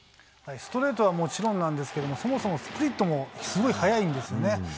ストレートはもちろんですがそもそもスプリットもすごい速いんですよね。